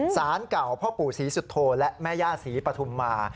สารเก่าพ่อปู่ศรีสุโธและแม่ย่าศรีปฐุมมา